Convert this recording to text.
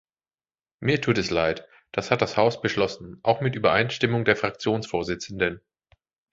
Mir tut es leid, das hat das Haus beschlossen, auch mit Übereinstimmung der Fraktionsvorsitzenden.